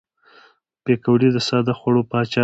پکورې د ساده خوړو پاچا دي